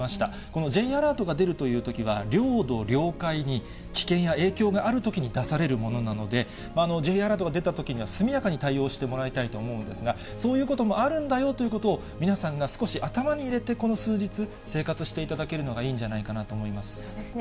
このＪアラートが出るということは、領土、領海に危険や影響があるときに出されるものなので、Ｊアラートが出たときには、速やかに対応してもらいたいとは思うんですが、そういうこともあるんだよということを、皆さんが少し頭に入れて、この数日、生活していただけるのがいいんじゃないかなと思います。